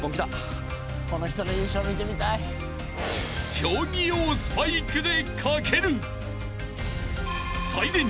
［競技用スパイクで駆ける］